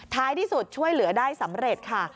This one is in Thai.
ท้ายที่สุดช่วยเหลือได้สำเร็จค่ะ